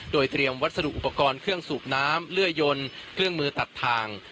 โดยเตรียมวัสดุอุปกรณ์เครื่องสูบน้ำเลื่อยยนเครื่องมือตัดทาง